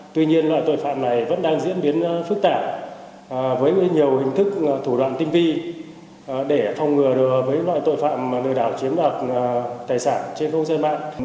tuy nhiên loại tội phạm này vẫn đang diễn biến phức tạp với nhiều hình thức thủ đoạn tinh vi để phòng ngừa được với loại tội phạm lừa đảo chính pháp tài sản trên không gian mạng